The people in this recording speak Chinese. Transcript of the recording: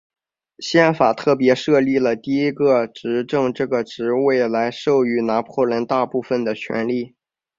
宪法特别设立了第一执政这个职位来授予拿破仑大部分的权力。